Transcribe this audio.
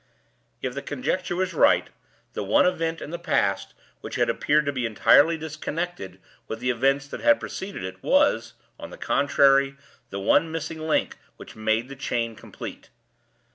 If the conjecture was right, the one event in the past which had appeared to be entirely disconnected with the events that had preceded it was, on the contrary, the one missing link which made the chain complete.